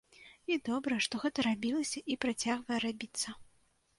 І добра, што гэта рабілася і працягвае рабіцца.